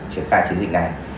trường khai chiến dịch này